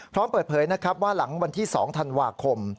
พร้อมเปิดเผยนะครับว่าหลังวันที่๒ธันวาคม